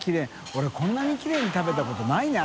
俺こんなにきれいに食べたことないな。